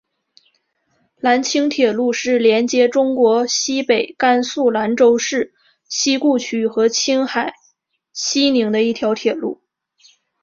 兰青铁路是连接中国西北甘肃兰州市西固区和青海西宁的一条铁路。